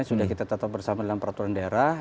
sudah kita tetap bersama dalam peraturan daerah